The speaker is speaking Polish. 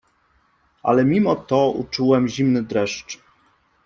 Ale mimo to uczułem zimny dreszcz.